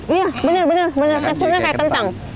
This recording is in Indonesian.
iya benar benar benar benar kayak kentang